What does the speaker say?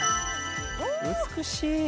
美しい。